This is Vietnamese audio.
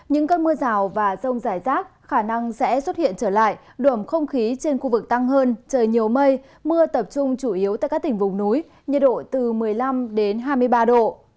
những cơn mưa rào và rông rải rác khả năng sẽ xuất hiện trở lại đuốm không khí trên khu vực tăng hơn trời nhiều mây mưa tập trung chủ yếu tại các tỉnh vùng núi nhiệt độ từ một mươi năm đến hai mươi ba độ